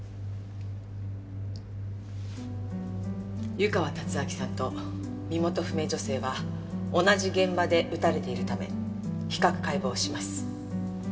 湯川達明さんと身元不明女性は同じ現場で撃たれているため比較解剖します。